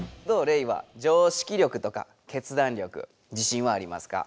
レイは常識力とか決断力自信はありますか？